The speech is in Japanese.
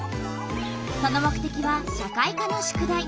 その目てきは社会科の宿題。